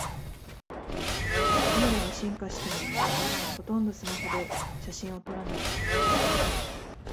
カメラが進化してもほとんどスマホで写真を撮らない